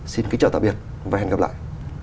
xin kính chào tạm biệt và hẹn gặp lại